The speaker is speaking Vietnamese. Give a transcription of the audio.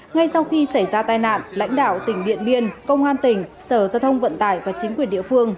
ngay sau khi xảy ra tai nạn lãnh đạo tỉnh điện biên công an tỉnh sở giao thông vận tải và chính quyền địa phương